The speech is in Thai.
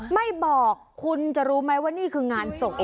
ไม่บอกคุณจะรู้ไหมว่านี่คืองานศพ